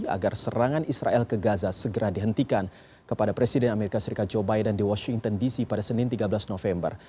agar serangan israel ke gaza segera dihentikan kepada presiden amerika serikat joe biden di washington dc pada senin tiga belas november